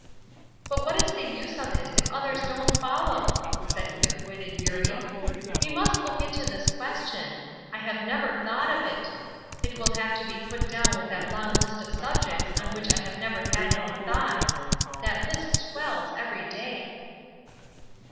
"But what is the use of it if others don't follow?" said quick witted Eurie. "We must look into this question. I have never thought of it. It will have to be put down with that long list of subjects on which I have never had any thoughts; that list swells every day."